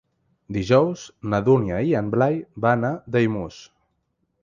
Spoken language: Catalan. Dijous na Dúnia i en Blai van a Daimús.